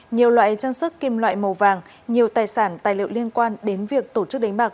nhiều loại trang sức kim loại màu vàng nhiều tài sản tài liệu liên quan đến việc tổ chức đánh bạc